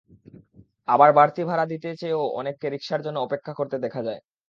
আবার বাড়তি ভাড়া দিতে চেয়েও অনেককে রিকশার জন্য অপেক্ষা করতে দেখা যায়।